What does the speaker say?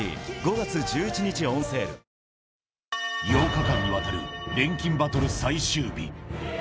８日間にわたる錬金バトル最終日。